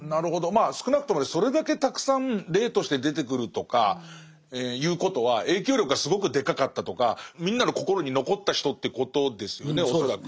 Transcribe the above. まあ少なくともそれだけたくさん霊として出てくるとかいうことは影響力がすごくでかかったとかみんなの心に残った人ってことですよね恐らく。